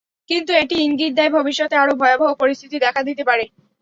কিন্তু এটি ইঙ্গিত দেয়, ভবিষ্যতে আরও ভয়াবহ পরিস্থিতি দেখা দিতে পারে।